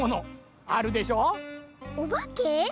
・おばけ？